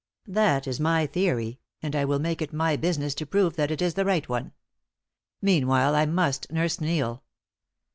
That is my theory, and I will make it my business to prove that it is the right one. Meanwhile, I must nurse Neil."